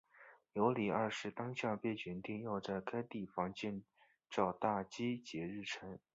尤里二世当下便决定要在该地点建造大基捷日城。